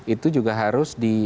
itu juga harus di